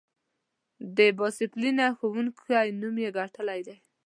د با ډسیپلینه ښوونکی نوم یې ګټلی دی.